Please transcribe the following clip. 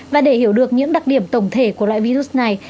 và để hiểu được những đặc điểm tổng thể của loại virus này